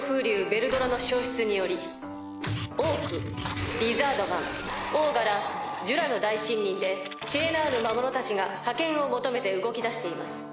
ヴェルドラの消失によりオークリザードマンオーガらジュラの大森林で知恵のある魔物たちが覇権を求めて動きだしています